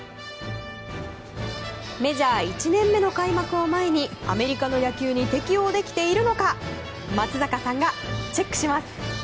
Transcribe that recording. メジャー１年目の開幕を前にアメリカの野球に適応できているのか松坂さんがチェックします。